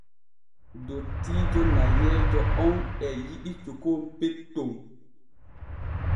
Dottiijo nayeeje on e yiɗi cukon petton.